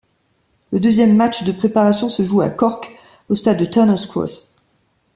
Le deuxième match de préparation se joue à Cork au stade de Turner's Cross.